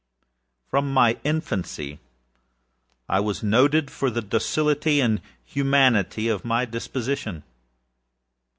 From my infancy I was noted for the docility and humanity of my disposition.